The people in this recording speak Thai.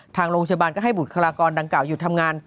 ทางโรงพยาบาลก็ให้บุคลากรดังกล่าหยุดทำงาน